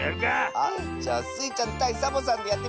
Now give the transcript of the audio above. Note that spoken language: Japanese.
あっじゃあスイちゃんたいサボさんでやってみて！